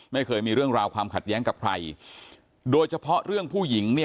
ไม่เคยมีเรื่องราวความขัดแย้งกับใครโดยเฉพาะเรื่องผู้หญิงเนี่ย